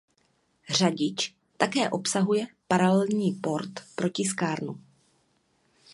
Řadič také obsahuje paralelní port pro tiskárnu.